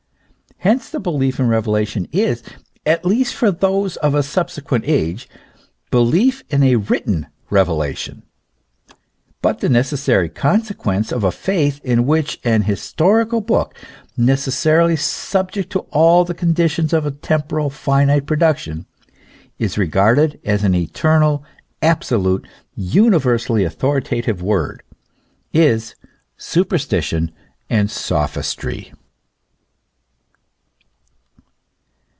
Hence the belief in revelation is, at least for those of a subsequent age, belief in a written revelation ; but the necessary consequence of a faith in which an historical book, necessarily subject to all the conditions of a temporal, finite production, is regarded as an eternal, absolute, universally authoritative word, is superstition and sophistry.